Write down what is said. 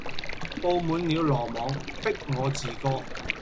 布滿了羅網，逼我自戕。